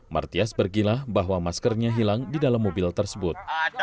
martias bergilah bahwa maskernya hilang di dalam mobil tersebut